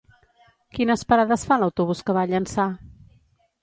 Quines parades fa l'autobús que va a Llançà?